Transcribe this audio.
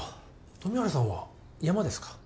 富治さんは山ですか？